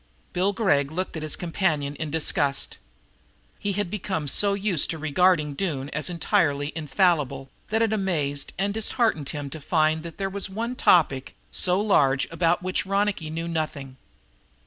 Bill Gregg looked at his companion in disgust. He had become so used to regarding Doone as entirely infallible that it amazed and disheartened him to find that there was one topic so large about which Ronicky knew nothing.